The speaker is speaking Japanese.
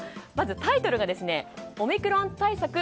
まず、タイトルがオミクロン対策